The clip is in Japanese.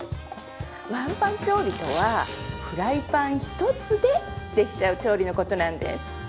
ワンパン調理とはフライパン一つでできちゃう調理のことなんです